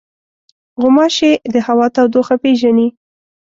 غوماشې د هوا تودوخه پېژني.